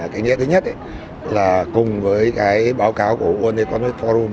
cái nghĩa thứ nhất là cùng với cái báo cáo của world economic forum